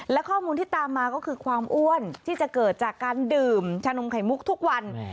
และข้อมูลที่ตามมาก็คือความอ้วนที่จะเกิดจากการดื่มชานมไข่มุกทุกวัน